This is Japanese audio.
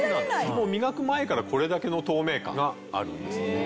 磨く前からこれだけの透明感があるんですよね。